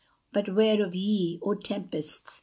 But where of ye, O tempests!